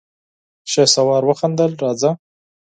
شهسوار وخندل: راځه!